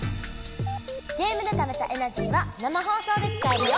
ゲームでためたエナジーは生放送で使えるよ！